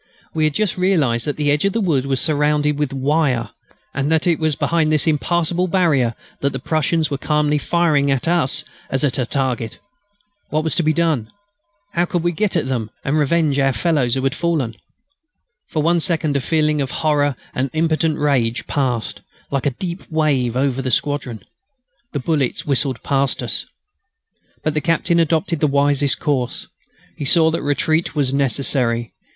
We had just realised that the edge of the wood was surrounded with wire, and that it was behind this impassable barrier that the Prussians were calmly firing at us as at a target. What was to be done? How could we get at them and avenge our fellows who had fallen? For one second a feeling of horror and impotent rage passed, like a deep wave, over the squadron. The bullets whistled past us. But the Captain adopted the wisest course. He saw that retreat was necessary.